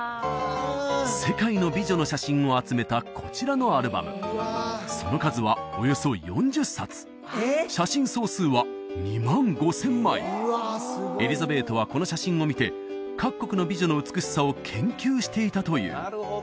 世界の美女の写真を集めたこちらのアルバムその数はおよそ４０冊写真総数は２万５０００枚エリザベートはこの写真を見て各国の美女の美しさを研究していたという